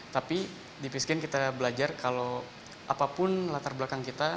tapi di peacegen kita belajar kalau apapun latar belakang kita